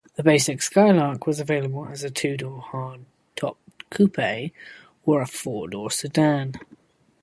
The basic Skylark was available as a two-door hardtop coupe or a four-door sedan.